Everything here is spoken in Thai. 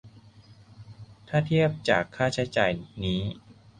ถ้าเทียบจากค่าใช้จ่ายนี้